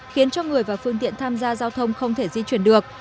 khiến cho người và phương tiện tham gia giao thông không thể di chuyển được